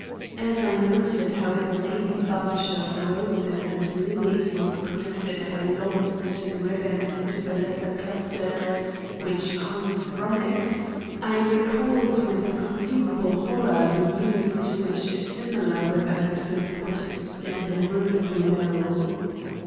As I noted how the main bunch of roses and lilies was connected by long satin ribbons to the lesser clusters which hung from it, I recalled with conceivable horror the use to which a similar ribbon had been put in the room below.